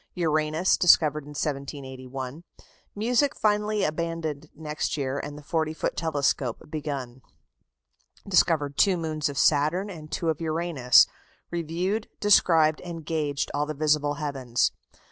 Uranus discovered in 1781. Music finally abandoned next year, and the 40 foot telescope begun. Discovered two moons of Saturn and two of Uranus. Reviewed, described, and gauged all the visible heavens.